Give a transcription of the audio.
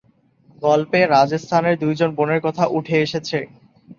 গল্পে রাজস্থান এর দুইজন বোনের কথা উঠে এসেছে।